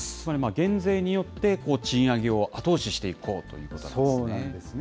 減税によって、賃上げを後押ししていこうということなんですそうなんですね。